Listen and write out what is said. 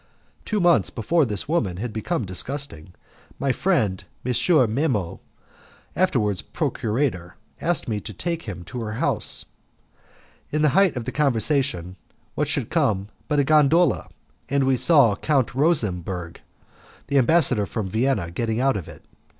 Two months before this woman had become disgusting, my friend M. Memmo, afterwards procurator, asked me to take him to her house. In the height of the conversation, what should come but a gondola, and we saw Count Rosemberg, the ambassador from Vienna, getting out of it.